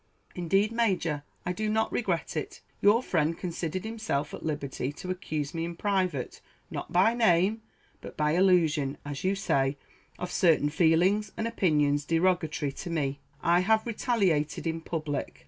"Indeed, Major, I do not regret it. Your friend considered himself at liberty to accuse me in private not by name, but by allusion, as you say of certain feelings and opinions derogatory to me. I have retaliated in public.